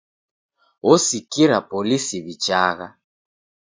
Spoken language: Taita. Osikira polisi w'ichagha.